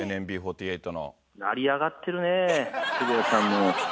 成り上がってない。